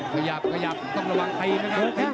ขยับขยับต้องระวังตีนะ